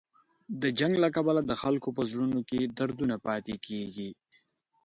د جنګ له کبله د خلکو په زړونو کې دردونه پاتې کېږي.